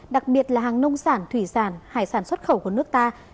đặc biệt là hàng nông sản thủy sản hải sản xuất khẩu của nước ta